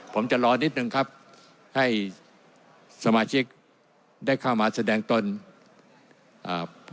ผมจะรอนิดนึงครับให้สมาชิกได้เข้ามาแสดงตนอ่า